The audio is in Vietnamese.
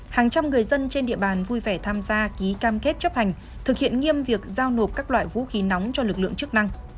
hàng trăm người dân trên địa bàn vui vẻ tham gia ký cam kết chấp hành thực hiện nghiêm việc giao nộp các loại vũ khí nóng cho lực lượng chức năng